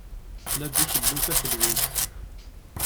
La d-ikellu tafelwit.